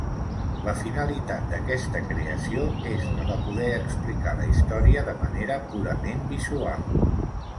La finalitat d’aquesta creació és la de poder explicar la història de manera purament visual.